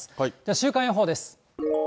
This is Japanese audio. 週間予報です。